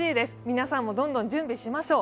皆さんもどんどん準備しましょう。